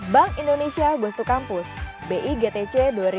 bank indonesia gustu kampus bigtc dua ribu delapan belas